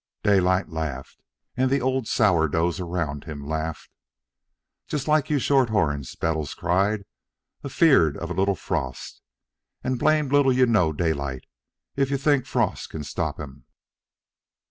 Daylight laughed, and the old sour doughs around him laughed. "Just like you short horns," Bettles cried, "afeard of a little frost. And blamed little you know Daylight, if you think frost kin stop 'm."